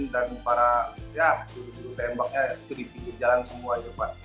dan para ya dulu dulu tembaknya itu dipikir jalan semua ya pak